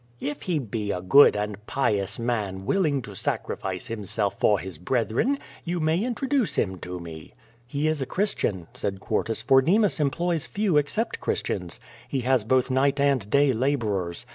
"If he be a good and pious man, willing to sacrifice himself for his brethren, you may introduce him to me." '*He is a Christian," said Quartus, "for Demas employs few except Christians. He has both night and day laborers.